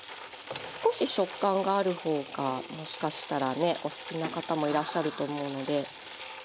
少し食感がある方がもしかしたらねお好きな方もいらっしゃると思うので。